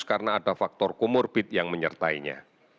karena ada faktor komorbid yang menyertainya